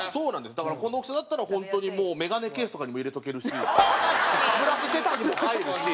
だからこの大きさだったらホントにもう眼鏡ケースとかにも入れておけるし歯ブラシセットにも入るし。